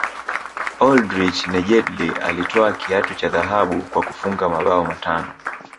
oldrich nejedly alitwaa kiatu cha dhahabu kwa kufunga mabao matano